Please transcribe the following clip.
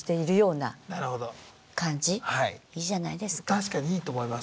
確かにいいと思います。